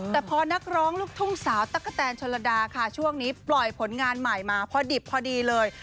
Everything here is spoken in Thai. แต่พอนักร้องลูกทุ่งสาวตั๊กกะแตนชนระดาค่ะช่วงนี้ปล่อยผลงานใหม่มาพอดิบพอดีเลย